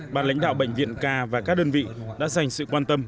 bà lãnh đạo bệnh viện ca và các đơn vị đã dành sự quan tâm